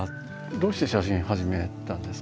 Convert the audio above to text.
どうして写真始めたんですか？